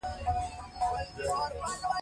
طالبان پښتانه دي او د پاکستان لپاره جنګېږي.